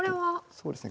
そうですね。